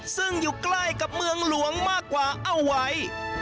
ซึ่งอยู่ใกล้กับเมืองหลวงมากกว่าเอาไว้